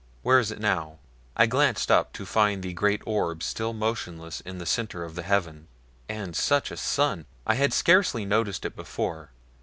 Where is it now?" I glanced up to find the great orb still motionless in the center of the heaven. And such a sun! I had scarcely noticed it before.